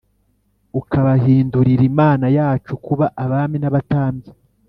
ukabahindurira Imana yacu kuba abami n’abatambyi,